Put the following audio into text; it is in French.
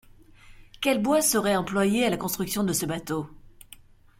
Quel bois serait employé à la construction de ce bateau